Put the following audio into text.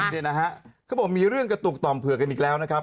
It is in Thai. เขาบอกว่ามีเรื่องกระตุกตอมเผือกกันอีกแล้วนะครับ